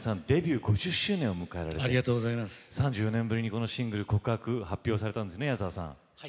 デビュー５０周年を迎えられて３４年ぶりにシングル「告白」を発表されたんですね。